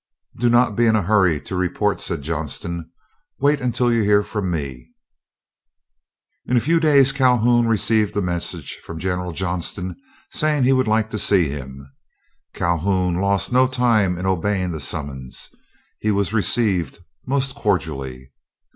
"Do not be in a hurry to report," said Johnston. "Wait until you hear from me." In a few days Calhoun received a message from General Johnston saying he would like to see him. Calhoun lost no time in obeying the summons. He was received most cordially.